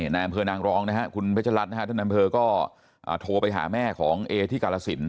นายอำเภอนางรองคุณพระเจ้ารัฐท่านอำเภอก็โทรไปหาแม่ของเอที่กาลสิน